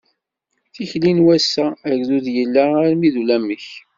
Tikli n wassa, agdud yella armi d ulamek!